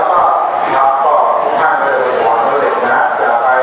เด็กเขามือในที่ซื้อตาขาด๗๘๐๐แข่ง